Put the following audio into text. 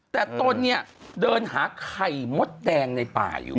แต่ตนเนี่ยเดินหาไข่มดแดงในป่าอยู่